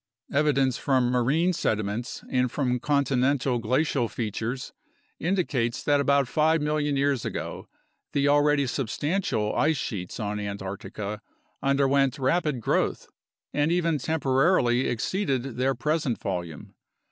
Evi dence from marine sediments and from continental glacial features indicates that about 5 million years ago the already substantial ice sheets on Antarctica underwent rapid growth and even temporarily exceeded their present volume.